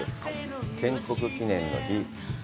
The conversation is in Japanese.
建国記念の日。